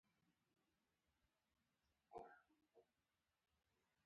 هېواد د تاریخ خزانه ده.